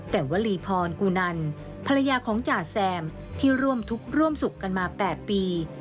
แต่วลีพรกูนันภรรยาของจ่าแซมที่ร่วมทุกข์ร่วมสุขกันมา๘ปี